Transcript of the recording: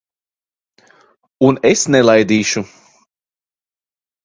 Un es nelaidīšu.